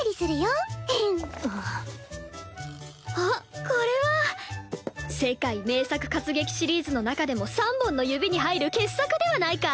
おっこれは「世界名作活劇」シリーズの中でも三本の指に入る傑作ではないか。